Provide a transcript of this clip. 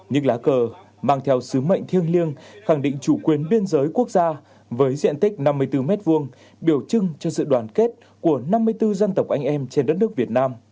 những lá cờ mang theo sứ mệnh thiêng liêng khẳng định chủ quyền biên giới quốc gia với diện tích năm mươi bốn m hai biểu trưng cho sự đoàn kết của năm mươi bốn dân tộc anh em trên đất nước việt nam